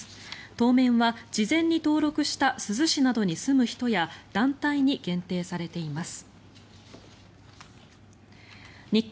当面は事前に登録した珠洲市などに住む人や団体に限定されています。